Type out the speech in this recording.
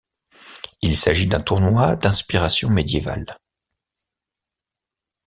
Il s’agit d’un tournoi d’inspiration médiévale.